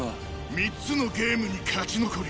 ３つのゲームに勝ち残り